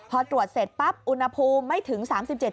พอตรวจเสร็จปั๊บอุณหภูมิไม่ถึง๓๗บาท